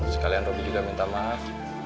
sekalian roby juga minta maaf